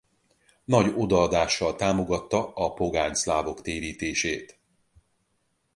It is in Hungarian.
Nagy odaadással támogatta a pogány szlávok térítését.